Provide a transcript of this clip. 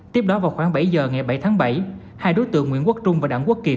tiếp đó vào khoảng bảy giờ ngày bảy tháng bảy hai đối tượng nguyễn quốc trung và đảng quốc kiệt